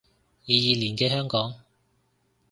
二二年嘅香港